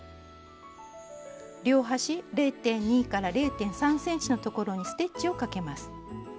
両端０．２０．３ｃｍのところにステッチをかけます。